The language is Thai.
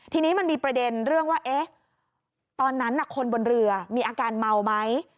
ทีนี้มันมีประเด็นเรื่องว่าตอนนั้นคนบนเรือมีอาการเมาไหม